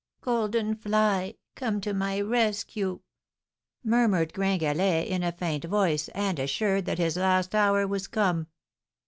'Golden fly, come to my rescue!' murmured Gringalet, in a faint voice, and assured that his last hour was come.